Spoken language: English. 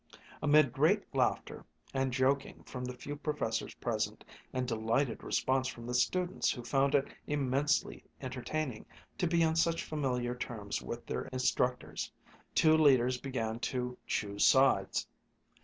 Amid great laughter and joking from the few professors present and delighted response from the students who found it immensely entertaining to be on such familiar terms with their instructors, two leaders began to "choose sides."